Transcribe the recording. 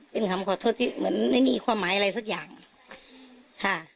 เป็นคำขอโทษที่เหมือนไม่มีความหมายอะไรสักอย่างค่ะ